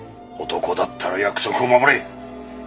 男だったら約束を守れ！